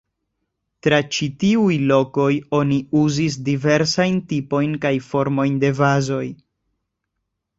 Tra ĉi tiuj lokoj oni uzis diversajn tipojn kaj formojn de vazoj.